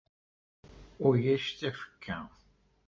Ulac tafekka.